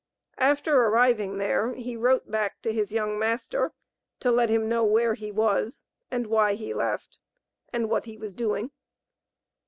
After arriving there he wrote back to his young master, to let him know where he was, and why he left, and what he was doing.